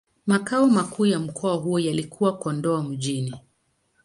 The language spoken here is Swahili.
Makao makuu ya mkoa huo yalikuwa Kondoa Mjini.